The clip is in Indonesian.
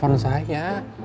saya terima kamu apa adanya